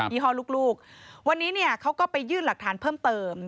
ี่ห้อลูกวันนี้เนี่ยเขาก็ไปยื่นหลักฐานเพิ่มเติม